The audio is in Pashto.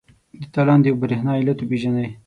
د تالندې او برېښنا علت پیژنئ؟